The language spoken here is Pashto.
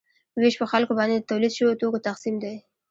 ویش په خلکو باندې د تولید شویو توکو تقسیم دی.